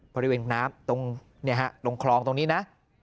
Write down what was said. บริเวณน้ำตรงเนี้ยฮะตรงคลองตรงนี้นะ